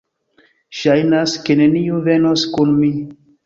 Ŝajnas, ke neniu venos kun ni